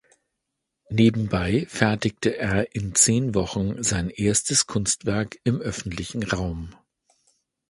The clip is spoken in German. Nebenbei fertigte er in zehn Wochen sein erstes Kunstwerk im öffentlichen Raum.